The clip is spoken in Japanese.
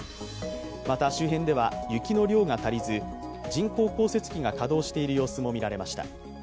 また周辺では雪の量が足りず、人工降雪機が稼働している様子もみられました。